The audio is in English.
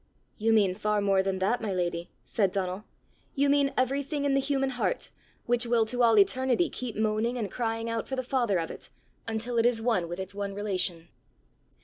"You mean far more than that, my lady!" said Donal. "You mean everything in the human heart, which will to all eternity keep moaning and crying out for the Father of it, until it is one with its one relation!"